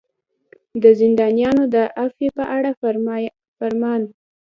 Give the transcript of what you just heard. د زندانیانو د عفوې په اړه فرمان.